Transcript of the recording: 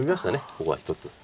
ここは一つ。